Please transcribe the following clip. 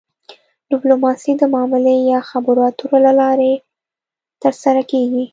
ډیپلوماسي د معاملې یا خبرو اترو له لارې ترسره کیږي